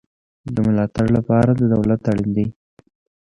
د ملاتړ لپاره دولت اړین دی